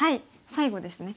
最後ですね。